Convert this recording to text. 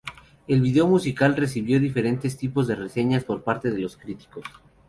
El vídeo musical recibió diferentes tipos de reseñas por parte de los críticos.